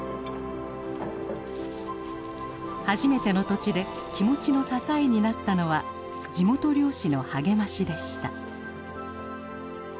初めての土地で気持ちの支えになったのは地元漁師の励ましでした。